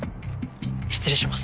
失礼します。